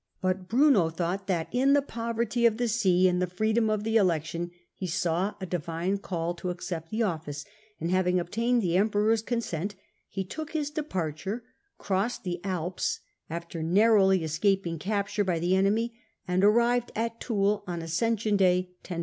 But Bruno thought that in the poverty of the see and the freedom of the elec tion he saw a divine call to accept the office, and having obtained the emperor's consent, he took his departure, crossed the Alps (after narrowly escaping capture by the enemy), and arrived at Toul on Ascension Day 1027.